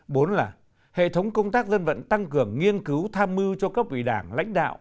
bốn là hệ thống công tác dân vận tăng cường nghiên cứu tham mưu cho các vị đảng lãnh đạo